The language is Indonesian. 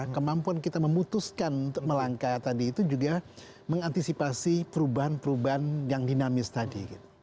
kemampuan kita memutuskan untuk melangkah tadi itu juga mengantisipasi perubahan perubahan yang dinamis tadi